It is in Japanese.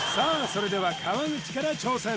それでは川口から挑戦